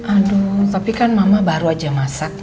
aduh tapi kan mama baru aja masak